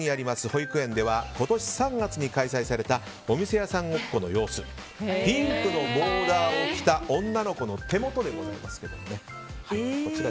保育園では今年３月に開催されたお店屋さんごっこの様子ピンクのボーダーを着た女の子の手元です。